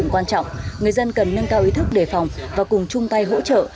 quan trọng người dân cần nâng cao ý thức đề phòng và cùng chung tay hỗ trợ